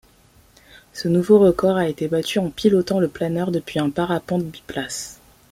Ce nouveau record a été battu en pilotant le planeur depuis un parapente biplace.